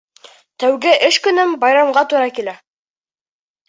Тәүге эш көнөм байрамға тура килә.